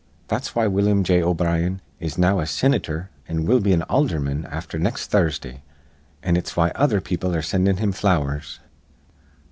That's why Willum J. O'Brien is now a sinitor an' will be an aldherman afther next Thursdah, an' it's why other people are sinding him flowers.